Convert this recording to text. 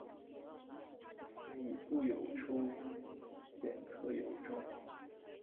靡不有初鲜克有终